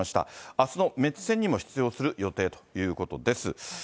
あすのメッツ戦にも出場する予定ということです。